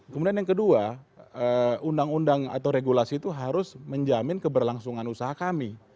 kemudian yang kedua undang undang atau regulasi itu harus menjamin keberlangsungan usaha kami